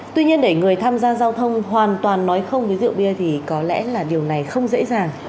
tuy nhiên để người tham gia giao thông hoàn toàn nói không với rượu bia thì có lẽ là điều này không dễ dàng